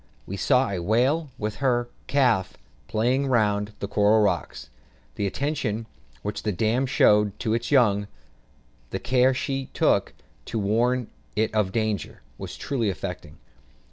We saw a whale, with her calf, playing round the coral rocks; the attention which the dam showed to its young, the care she took to warn it of danger, was truly affecting.